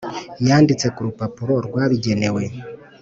yanditse ku rupapuro rwabigenewe